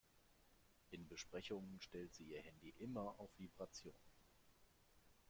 In Besprechungen stellt sie ihr Handy immer auf Vibration.